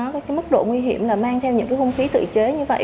cái mức độ nguy hiểm là mang theo những cái hung khí tự chế như vậy